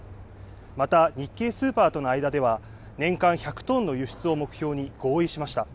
また日系スーパーとの間では、年間１００トンの輸出を目標に合意しました。